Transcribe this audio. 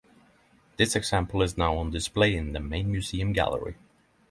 This example is now on display in the main museum gallery.